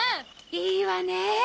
いいわね！